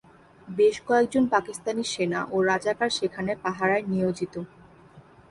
বেশ কয়েকজন পাকিস্তানি সেনা ও রাজাকার সেখানে পাহারায় নিয়োজিত।